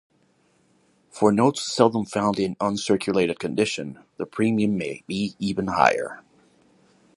For notes seldom found in uncirculated condition, the premium may be even higher.